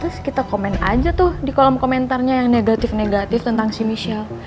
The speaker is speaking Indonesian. terus kita komen aja tuh di kolom komentarnya yang negatif negatif tentang sini